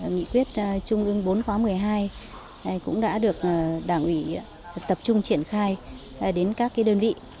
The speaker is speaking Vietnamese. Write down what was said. nghị quyết trung ương bốn khóa một mươi hai cũng đã được đảng ủy tập trung triển khai đến các đơn vị